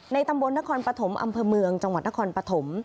ตำบลนครปฐมอำเภอเมืองจังหวัดนครปฐม